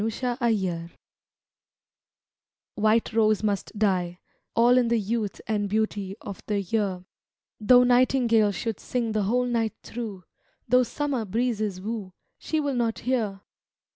B2 INNOCENCE White rose must die, all in the youth and beauty of the year, Though nightingale should sing the whole night through. Though summer breezes woo. She will not hear.